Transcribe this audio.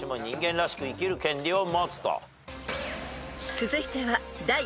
［続いては］